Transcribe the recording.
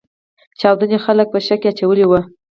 چاودنې خلګ په شک کې اچولي وو.